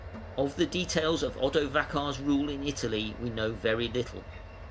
] Of the details of Odovacar's rule in Italy we know very little.